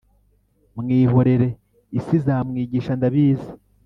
Mwihorere isi izamwigisha ndabizi